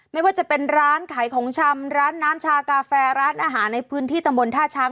ไม่ว่าจะเป็นร้านขายของชำร้านน้ำชากาแฟร้านอาหารในพื้นที่ตำบลท่าช้าง